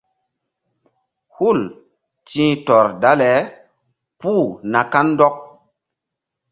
Hul ti̧h tɔr dale puh na kandɔk.